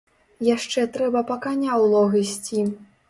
Яшчэ трэба па каня ў лог ісці.